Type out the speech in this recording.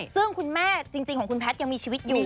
ซึ่งคุณแม่จริงของคุณแพทย์ยังมีชีวิตอยู่